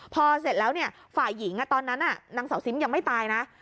พอเสร็จแล้วฝ่ายหญิงตอนนั้นนางสาวซิมยังไม่ตายนะ